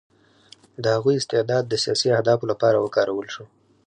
د هغوی استعداد د سیاسي اهدافو لپاره وکارول شو